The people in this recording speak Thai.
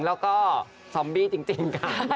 แล้วก็ซอมบี้จริงค่ะ